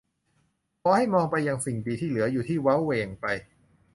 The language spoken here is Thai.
ขอให้มองไปยังสิ่งดีที่เหลืออยู่ที่เว้าแหว่งไป